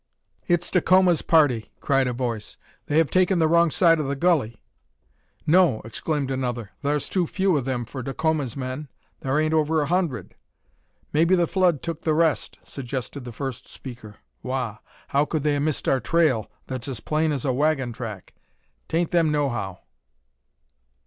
"It's Dacoma's party!" cried a voice, "they have taken the wrong side o' the gully." "No," exclaimed another, "thar's too few o' them for Dacoma's men. Thar ain't over a hundred." "Maybe the flood tuk the rest," suggested the first speaker. "Wagh! how could they 'a missed our trail, that's as plain as a waggon track? 'Tain't them nohow."